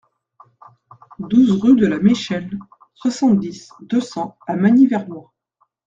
douze rue de la Mechelle, soixante-dix, deux cents à Magny-Vernois